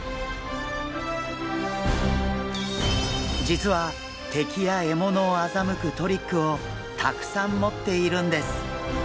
実は敵や獲物をあざむくトリックをたくさん持っているんです！